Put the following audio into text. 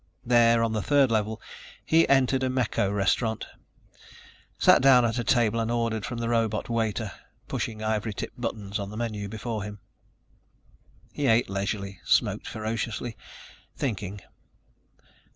There, on the third level, he entered a Mecho restaurant, sat down at a table and ordered from the robot waiter, pushing ivory tipped buttons on the menu before him. He ate leisurely, smoked ferociously, thinking.